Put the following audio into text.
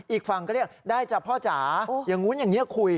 อีกฝั่งก็เรียกได้จ้ะพ่อจ๋าอย่างนู้นอย่างนี้คุย